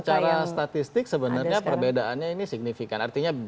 kalau secara statistik sebenarnya perbedaannya ini signifikan